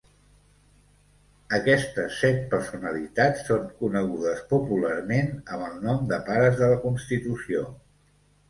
Aquestes set personalitats són conegudes popularment amb el nom de Pares de la Constitució.